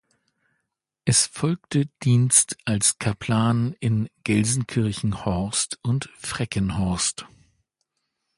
Es folgte Dienst als Kaplan in Gelsenkirchen-Horst und Freckenhorst.